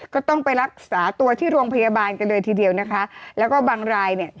ก็ต้องไปรักษาตัวที่โรงพยาบาลกันเลยทีเดียวนะคะแล้วก็บางรายเนี่ย